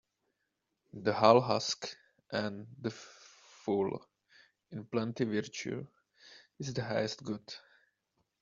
The hull husk and the full in plenty Virtue is the highest good